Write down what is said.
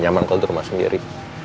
nyaman kalau untuk rumah sendiri